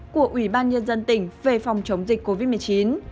của ubnd tỉnh về phòng chống dịch covid một mươi chín